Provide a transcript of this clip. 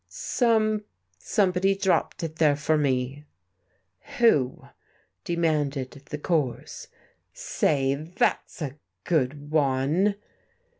"Some somebody dropped it there for me." "Who?" demanded the chorus. "Say, that's a good one!"